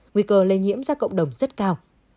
nguy cơ lây nhiễm ra cộng đồng rất cao